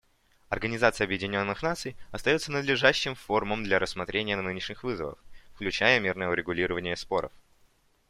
Организация Объединенных Наций остается надлежащим форумом для рассмотрения нынешних вызовов, включая мирное урегулирование споров.